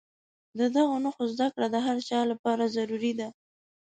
د دغو نښو زده کړه د هر چا لپاره ضروري ده.